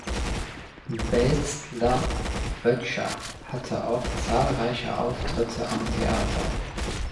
Belstler-Boettcher hatte auch zahlreiche Auftritte am Theater.